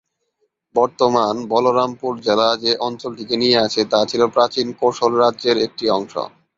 বর্তমান বলরামপুর জেলা যে অঞ্চলটিকে নিয়ে আছে তা ছিল প্রাচীন কোশল রাজ্যের একটি অংশ।